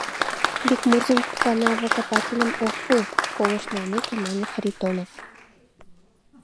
— Бикмурзин канавокопательым ок пу, — колышт налмеке мане Харитонов.